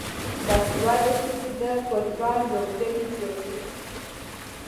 باسواده ښځې د فوټبال لوبډلې جوړوي.